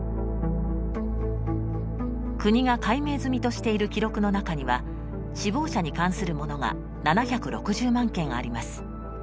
国が解明済みとしている記録の中には死亡者に関するものが７６０万件あります。